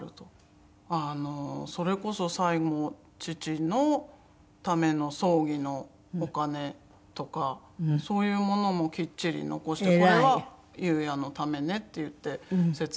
それこそ最後父のための葬儀のお金とかそういうものもきっちり残して「これは裕也のためね」って言って説明してくれて。